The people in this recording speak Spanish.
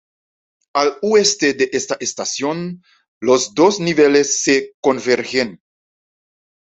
Al oeste de esta estación, los dos niveles se convergen.